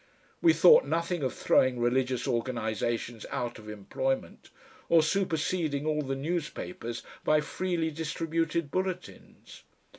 We thought nothing of throwing religious organisations out of employment or superseding all the newspapers by freely distributed bulletins.